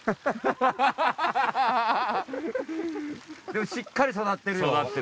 でもしっかり育ってるよ。